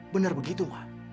benar begitu ma